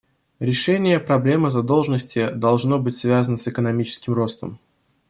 Решение проблемы задолженности должно быть связано с экономическим ростом.